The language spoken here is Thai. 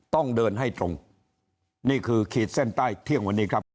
ต้องเดินให้ตรงนี่คือขีดเส้นใต้เที่ยงวันนี้ครับ